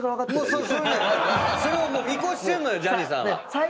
それを見越してんのよジャニーさんは。